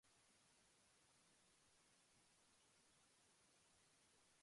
Another important factor to consider when buying the perfect gift is budget.